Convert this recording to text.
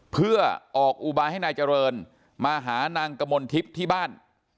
เพื่อออกอุบายให้นายเจริญมาหานางกมลทิพย์ที่บ้าน